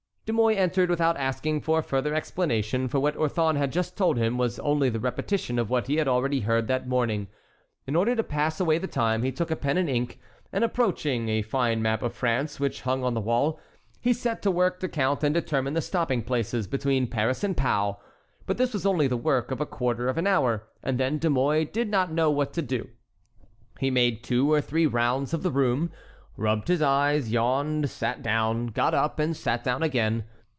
De Mouy entered without asking for further explanation, for what Orthon had just told him was only the repetition of what he had already heard that morning. In order to pass away the time he took a pen and ink and, approaching a fine map of France which hung on the wall, he set to work to count and determine the stopping places between Paris and Pau. But this was only the work of a quarter of an hour, and then De Mouy did not know what to do. He made two or three rounds of the room, rubbed his eyes, yawned, sat down, got up, and sat down again.